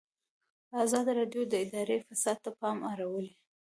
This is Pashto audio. ازادي راډیو د اداري فساد ته پام اړولی.